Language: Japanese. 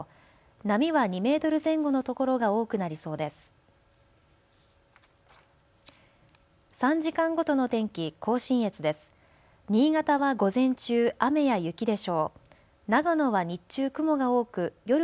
波は２メートル前後の所が多くなりそうです。